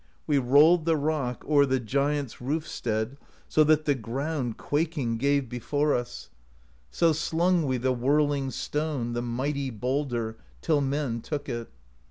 'We rolled the rock O'er the Giants' roof stead, So that the ground. Quaking, gave before us; i66 PROSE EDDA So slung we The whirling stone, The mighty boulder, Till men took it.